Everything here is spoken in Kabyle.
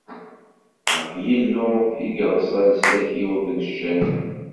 Ɣef Yillu i ireṣṣa leslak-iw akked ccan-iw.